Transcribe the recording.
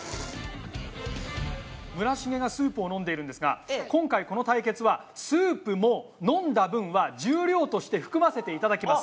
村重がスープを飲んでいるんですが今回この対決はスープも飲んだ分は重量として含ませていただきます。